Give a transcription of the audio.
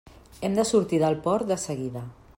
Hem de sortir del port de seguida.